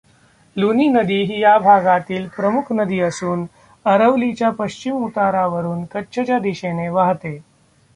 लुनी नदी ही या भागातील प्रमुख नदी असून अरवलीच्या पश्चिम उतारावरून कच्छच्या दिशेने वाहते.